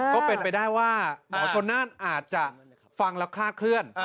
ก็เป็นไปได้ว่าหมอชนน่านอาจจะฟังแล้วคลาดเคลื่อน